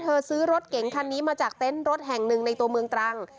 ซื้อรถเก๋งคันนี้มาจากเต็นต์รถแห่งหนึ่งในตัวเมืองตรัง